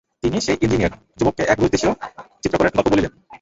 তিনি সেই ইঞ্জিনীয়র যুবককে এক রুশদেশীয় চিত্রকরের গল্প বলিলেন।